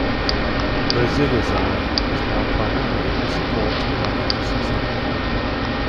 MozillaZine is now primarily a support and advocacy site.